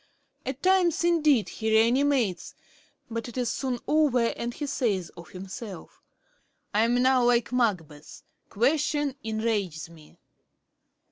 At times indeed he re animates; but it is soon over and he says of himself: "I am now like Macbeth question enrages me."'